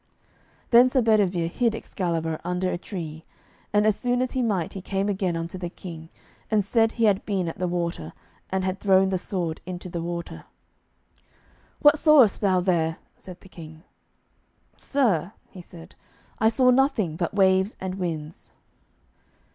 Then Sir Bedivere hid Excalibur under a tree, and as soon as he might he came again unto the King, and said he had been at the water, and had thrown the sword into the water. "What sawest thou there?" said the King. "Sir," he said, "I saw nothing but waves and winds."